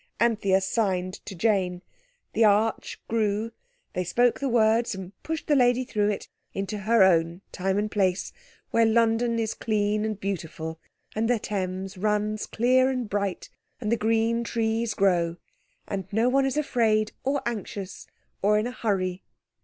Anthea signed to Jane. The arch grew, they spoke the words, and pushed the lady through it into her own time and place, where London is clean and beautiful, and the Thames runs clear and bright, and the green trees grow, and no one is afraid, or anxious, or in a hurry.